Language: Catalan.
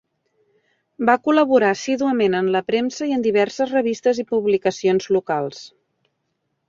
Va col·laborar assíduament en la premsa i en diverses revistes i publicacions locals.